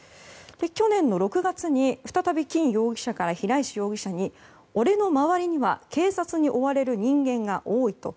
去年の６月に再び金容疑者から平石容疑者に俺の周りには警察に追われる人間が多いと。